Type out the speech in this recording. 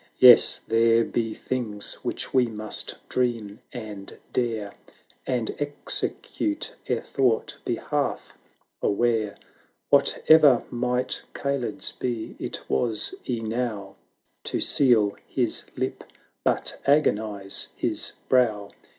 Yes — there be things which we must dream and dare, And execute ere thought be half aware: Whate'er might Kaled's be, it was enow To seal his lip. but agonise his brow.